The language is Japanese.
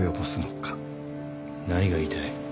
何が言いたい？